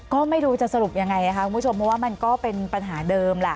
ก็ไม่รู้จะสรุปยังไงนะคะคุณผู้ชมเพราะว่ามันก็เป็นปัญหาเดิมแหละ